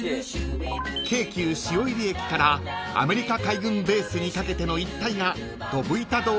［京急汐入駅からアメリカ海軍ベースにかけての一帯が］